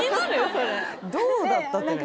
それ「どうだった？」って何？